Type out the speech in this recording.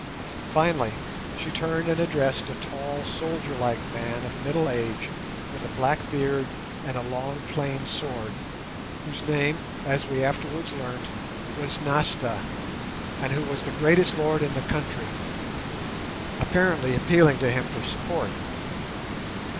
Finally, she turned and addressed a tall, soldierlike man of middle age with a black beard and a long plain sword, whose name, as we afterwards learnt, was Nasta, and who was the greatest lord in the country; apparently appealing to him for support.